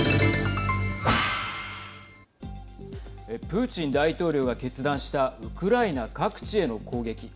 プーチン大統領が決断したウクライナ各地への攻撃。